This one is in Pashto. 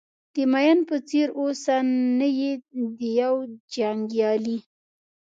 د مین په څېر اوسه نه د یو جنګیالي.